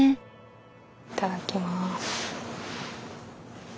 いただきます。